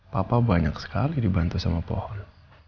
papa banyak sekali dibantu sama pohon